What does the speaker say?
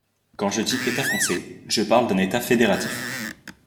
Quand je dis État français, je parle d’un État fédératif.